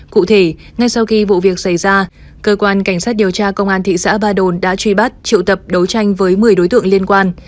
cụ thể ngay sau khi vụ việc xảy ra cơ quan cảnh sát điều tra công an thị xã ba đồn đã truy bắt triệu tập đấu tranh với một mươi đối tượng liên quan